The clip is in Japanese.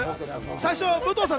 最初、武藤さん